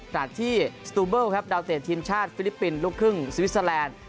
ขณะที่สตูเบิลครับดาวเตะทีมชาติฟิลิปปินส์ลูกครึ่งสวิสเตอร์แลนด์